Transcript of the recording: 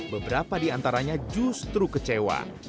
beberapa di antaranya justru kecewa